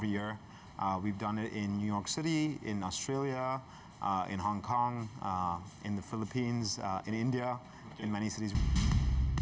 kita melakukannya di new york australia hong kong filipina india dan banyak negara lainnya